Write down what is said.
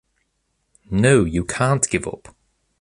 No, you can’t give up.